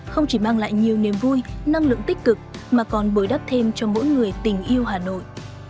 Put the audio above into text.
không chỉ mang lại nhiều niềm vui năng lượng tích cực mà còn bồi đắp thêm cho mỗi người tình yêu hà nội